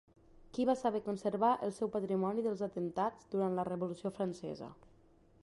Qui va saber conservar el seu patrimoni dels atemptats durant la Revolució Francesa?